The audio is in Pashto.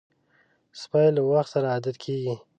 سپي له وخت سره عادت کېږي.